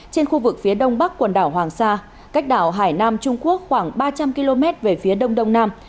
trên khu vực phía đông bắc quần đảo hoàng sa cách đảo hải nam trung quốc khoảng ba trăm linh km về phía đông đông nam